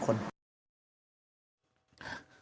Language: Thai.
คนตมแหล่วใช่ไรขึ้น